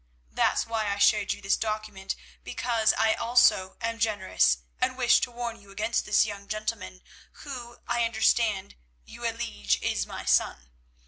That's why I showed you this document, because I also am generous and wish to warn you against this young gentleman, who, I understand, you allege is my son.